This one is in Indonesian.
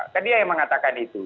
kan dia yang mengatakan itu